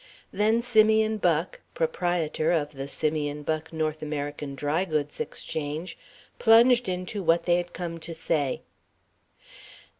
Then Simeon Buck, proprietor of the Simeon Buck North American Dry Goods Exchange, plunged into what they had come to say.